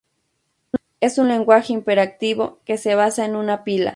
Es un lenguaje imperativo que se basa en una pila.